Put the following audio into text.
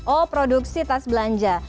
oh produksi tas belanja